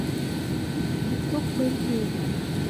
Hạnh phúc bên thềm